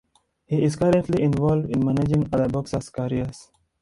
He is currently involved in managing other boxers' careers.